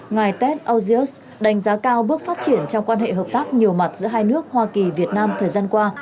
ngày tết auseus đánh giá cao bước phát triển trong quan hệ hợp tác nhiều mặt giữa hai nước hoa kỳ việt nam thời gian qua